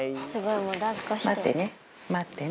待ってね、待ってね。